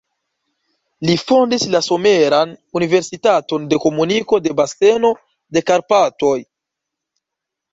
Li fondis la Someran Universitaton de Komuniko de Baseno de Karpatoj.